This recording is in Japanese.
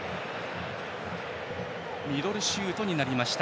ミドルシュートになりました。